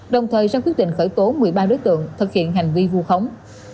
đồng thời sau quyết định khởi tố một mươi ba đối tượng thực hiện hành vi vu khống